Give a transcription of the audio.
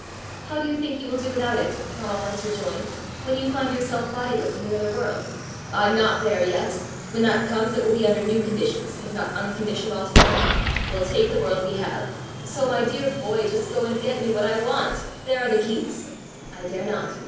"How do you think you will do without it," Donal once rejoined, "when you find yourself bodiless in the other world?" "I'm not there yet! When that comes, it will be under new conditions, if not unconditioned altogether. We'll take the world we have. So, my dear boy, just go and get me what I want. There are the keys!" "I dare not."